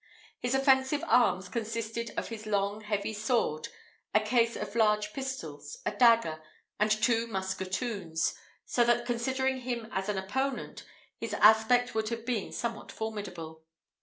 His offensive arms consisted of his long heavy sword, a case of large pistols, a dagger, and two musketoons, so that considering him as an opponent, his aspect would have been somewhat formidable.